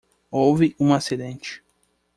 Houve um acidente.